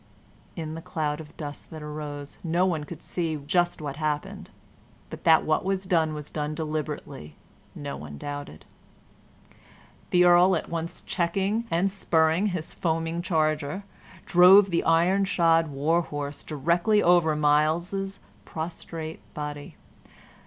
In the cloud of dust that arose no one could see just what happened, but that what was done was done deliberately no one doubted. The earl, at once checking and spurring his foaming charger, drove the iron shod war horse directly over Myles's prostrate body.